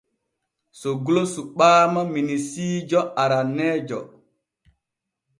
Soglo suɓaama minisiijo aranneejo.